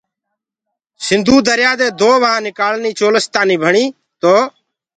سنڌو دريآ دي دو وآه نڪآݪنيٚ چولستآنيٚ ڀڻيٚ تو